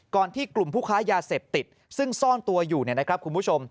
ที่กลุ่มผู้ค้ายาเสพติดซึ่งซ่อนตัวอยู่เนี่ยนะครับคุณผู้ชม